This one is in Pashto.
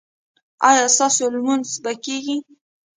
ایا ستاسو لمونځ به کیږي؟